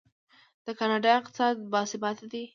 د کاناډا اقتصاد باثباته دی.